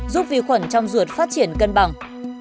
giúp vi khuẩn trong ruột phát triển cân bằng